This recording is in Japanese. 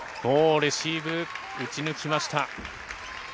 レシーブ、打ち抜きました。